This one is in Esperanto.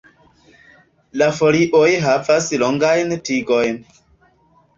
La folioj havas longajn tigojn.